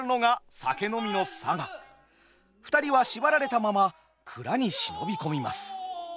２人は縛られたまま蔵に忍び込みます。